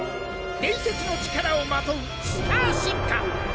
伝説の力をまとうスター進化。